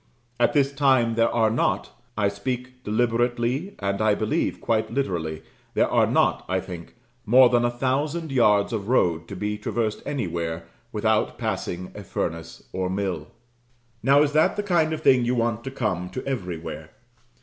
At this time there are not, I speak deliberately, and I believe quite literally, there are not, I think, more than a thousand yards of road to be traversed anywhere, without passing a furnace or mill. Now, is that the kind of thing you want to come to everywhere?